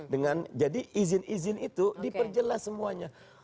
dengan jadi izin izin itu diperjelas semuanya